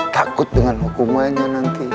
takut dengan hukumannya nanti